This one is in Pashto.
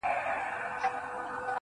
زلفـي را تاوي کړي پــر خپلـو اوږو.